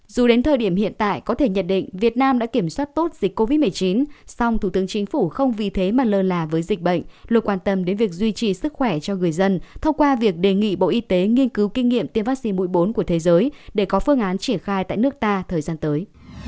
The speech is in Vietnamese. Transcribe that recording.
dù đến thời điểm hiện tại có thể nhận định việt nam đã kiểm soát tốt dịch covid một mươi chín song thủ tướng chính phủ không vì thế mà lơ là với dịch bệnh luôn quan tâm đến việc duy trì sức khỏe cho người dân thông qua việc đề nghị bộ y tế nghiên cứu kinh nghiệm tiêm vaccine mũi bốn của thế giới để có phương án triển khai tại nước ta thời gian tới